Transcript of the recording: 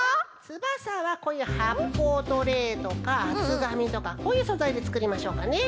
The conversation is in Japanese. つばさはこういうはっぽうトレーとかあつがみとかこういうそざいでつくりましょうかね。